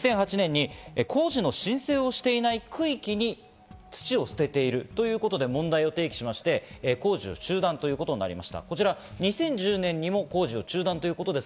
２００８年に工事の申請をしていない区域に土を捨てているということで問題提起をし、工事は中断となりました。